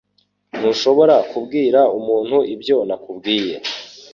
Ntushobora kubwira umuntu ibyo nakubwiye.